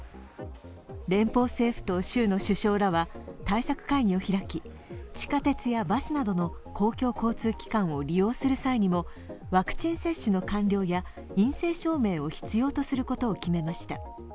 連邦政府と州の首相らは対策会議を開き、地下鉄やバスなどの公共交通機関を利用する際にもワクチン接種の完了や陰性証明を必要とすることを決めました。